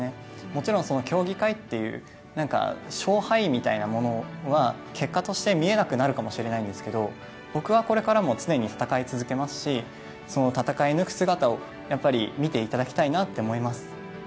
もちろん競技会という勝敗みたいなものは結果として見えなくなるかもしれないんですけど僕はこれからも常に戦い続けますし、その戦い抜く姿をやっぱり見ていただきたいなと思います。